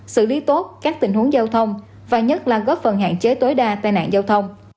xử lý tốt các tình huống giao thông và nhất là góp phần hạn chế tối đa tai nạn giao thông